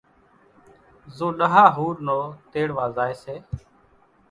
زو ڏۿا ۿور نو تيڙوا زائي سي،